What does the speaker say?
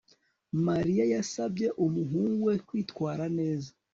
Mariya yasabye umuhungu we kwitwara neza